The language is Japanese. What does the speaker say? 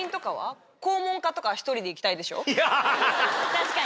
確かに。